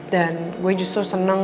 dan gue justru seneng